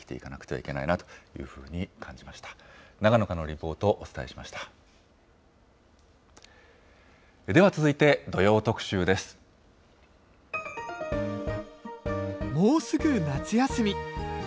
もうすぐ夏休み。